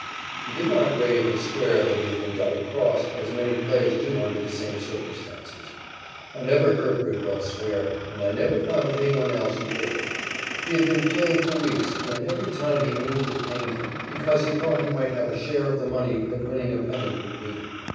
He did not rave and swear that he had been double crossed, as many players do under the same circumstances. I never heard Bridwell swear, and I never found any one else who did. He had been playing for weeks, when every time he moved it pained him, because he thought he might have a share of the money that winning a pennant would mean.